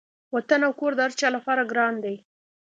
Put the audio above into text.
وطن او کور د هر چا لپاره ګران دی.